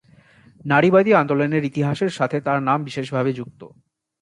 নারীবাদী আন্দোলনের ইতিহাসের সাথে তার নাম বিশেষভাবে যুক্ত।